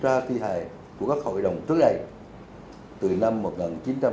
trạng thái thi hai của các hội đồng trước đây từ năm một nghìn chín trăm bảy mươi đến năm hai nghìn một mươi chín